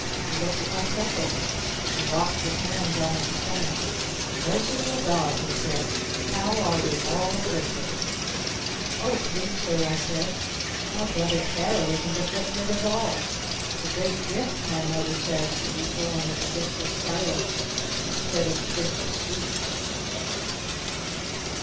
He looked at my freckles. He rocked his hands on his stomach. "Merciful God!" he said. "How are we all afflicted!" "Oh, please, Sir," I said, "my brother Carol isn't afflicted at all! It's a great gift my Mother says to be born with the Gift of Silence instead of the Gift of Speech!"